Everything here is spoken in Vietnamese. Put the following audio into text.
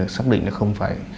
xác định là không phải